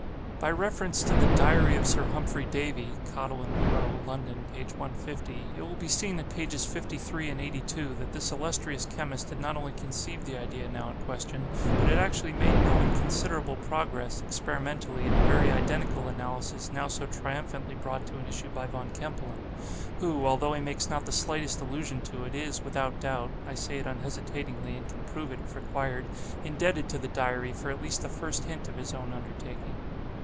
By reference to the 'Diary of Sir Humphrey Davy' (Cottle and Munroe, London, pp. 150), it will be seen at pp. 53 and 82, that this illustrious chemist had not only conceived the idea now in question, but had actually made no inconsiderable progress, experimentally, in the very identical analysis now so triumphantly brought to an issue by Von Kempelen, who although he makes not the slightest allusion to it, is, without doubt (I say it unhesitatingly, and can prove it, if required), indebted to the 'Diary' for at least the first hint of his own undertaking.